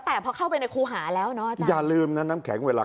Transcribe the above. แต่พอเข้าไปในครูหาแล้วเนอะอย่าลืมนะน้ำแข็งเวลา